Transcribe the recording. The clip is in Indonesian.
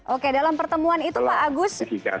oke dalam pertemuan itu pak agus